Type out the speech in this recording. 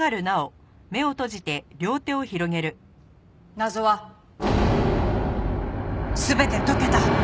謎は全て解けた。